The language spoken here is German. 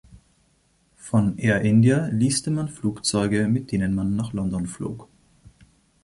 Von Air India leaste man Flugzeuge, mit denen man nach London flog.